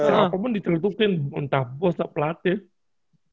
siapa pun diteletukin muntah bos tak pelatih